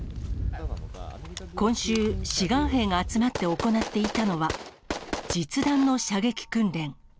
今週、志願兵が集まって行っていたのは実弾の射撃訓練。